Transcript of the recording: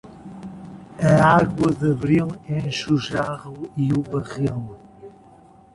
A água de abril enche o jarro e o barril.